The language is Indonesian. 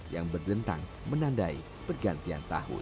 yang berdentang menandai pergantian tahun